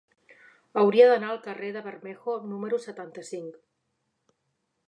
Hauria d'anar al carrer de Bermejo número setanta-cinc.